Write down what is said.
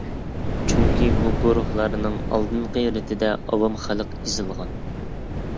چۈنكى بۇ گۇرۇھلارنىڭ ئالدىنقى رېتىدە ئاۋام خەلق يېزىلغان.